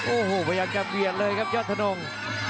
โอ้โหพยายามจะเบียดเลยครับยอดทนง